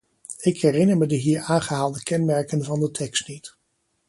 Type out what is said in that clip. Ik herinner me de hier aangehaalde kenmerken van de tekst niet.